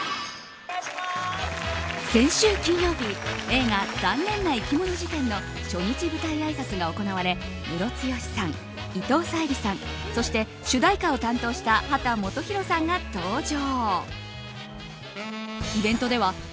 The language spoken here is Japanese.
先週金曜日映画「ざんねんないきもの事典」の初日舞台あいさつが行われムロツヨシさん、伊藤沙莉さんそして主題歌を担当した秦基博さんが登場。